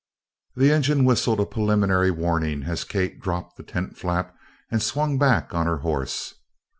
The engine whistled a preliminary warning as Kate dropped the tent flap and swung back on her horse.